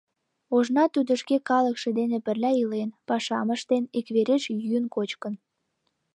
Ожнат тудо шке калыкше дене пырля илен, пашам ыштен, иквереш йӱын-кочкын.